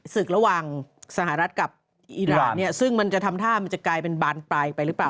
ศึกระหว่างสหรัฐกับอีรานเนี่ยซึ่งมันจะทำท่ามันจะกลายเป็นบานปลายไปหรือเปล่า